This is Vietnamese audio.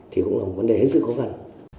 thì cũng là một vấn đề rất là khó khăn